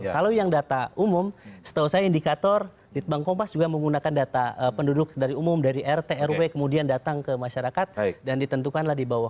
kalau yang data umum setahu saya indikator litbang kompas juga menggunakan data penduduk dari umum dari rt rw kemudian datang ke masyarakat dan ditentukanlah di bawah